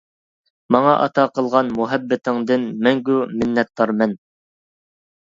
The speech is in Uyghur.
ماڭا ئاتا قىلغان مۇھەببىتىڭدىن مەڭگۈ مىننەتدارمەن.